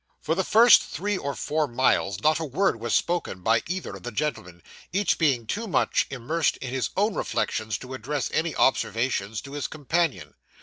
For the first three or four miles, not a word was spoken by either of the gentlemen, each being too much immersed in his own reflections to address any observations to his companion.